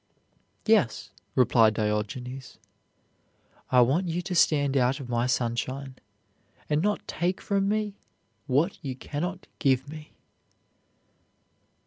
"Yes," replied Diogenes, "I want you to stand out of my sunshine and not take from me what you can not give me."